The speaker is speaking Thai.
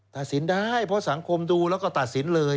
ตัดสินได้เพราะสังคมดูแล้วก็ตัดสินเลย